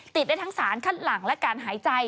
ติดได้ทั้งสารคัดหลังและการหายใจ